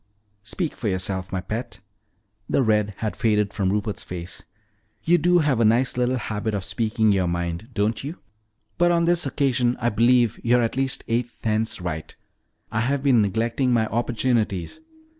"Speak for yourself, my pet." The red had faded from Rupert's face. "You do have a nice little habit of speaking your mind, don't you? But on this occasion I believe you're at least eight tenths right. I have been neglecting my opportunities.